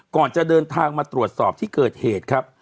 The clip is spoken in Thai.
ก่อนจะเดินทางมาตรวจสอบที่เกิดเหตุครับ